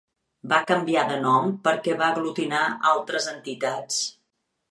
Va canviar de nom perquè va aglutinar altres entitats.